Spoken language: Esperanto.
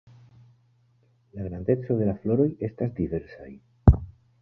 La grandeco de la floroj estas diversaj.